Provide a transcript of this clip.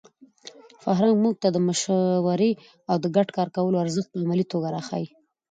فرهنګ موږ ته د مشورې او ګډ کار کولو ارزښت په عملي توګه راښيي.